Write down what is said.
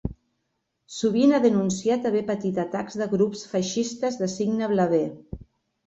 Sovint ha denunciat haver patit atacs de grups feixistes de signe blaver.